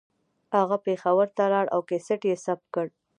هغه پېښور ته لاړ او کیسټ یې ثبت کړه